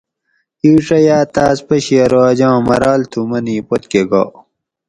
اِیڄہ یاٞ تاٞس پشی ارو اجاں مراٞل تھُو منی پت کٞہ گا